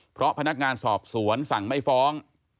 เพราะพนักงานสอบสวนสั่งไม่ฟ้อง